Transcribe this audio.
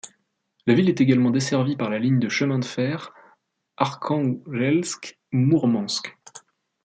La ville est également desservie par la ligne de chemin de fer Arkhangelsk-Mourmansk.